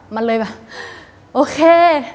มันเลยแบบโอเค